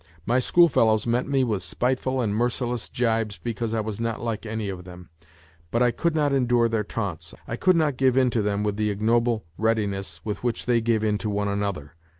My schoolfellows met me with spiteful and merciless jibea because I was not like any of them. But I could not endure their taunts ; I could not give in to them with the ignoble readi ness with which they gave in to one another.